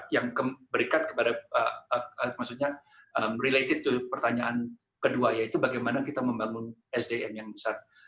yang berikat kepada maksudnya related to pertanyaan kedua yaitu bagaimana kita membangun sdm yang besar